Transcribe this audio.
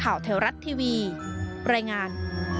ข่าวแถวรัฐทีวีปรายงาน